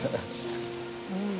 うん！